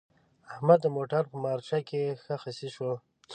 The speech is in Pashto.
احمد د موټر په مارچه کې ښه خصي شو.